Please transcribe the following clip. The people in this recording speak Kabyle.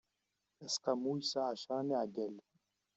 Aseqqamu yesɛa ɛecṛa n iɛeggalen.